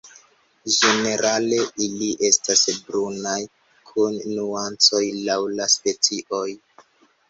Ĝenerale ili estas brunaj kun nuancoj laŭ la specioj.